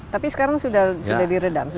tapi sekarang sudah diredam